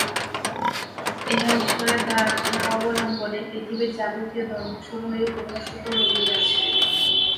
ইহা ঈশ্বরের ধারণা অবলম্বনে পৃথিবীর যাবতীয় ধর্মসমূহে অনুস্যূত রহিয়াছে।